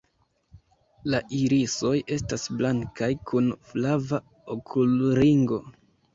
La irisoj estas blankaj kun flava okulringo.